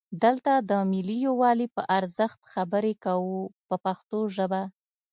دلته د ملي یووالي په ارزښت خبرې کوو په پښتو ژبه.